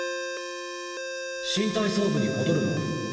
新体操部に戻るの？